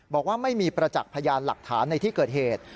บอกว่าไม่มีประจักษ์พยานหลักฐานในที่เกิดเหตุ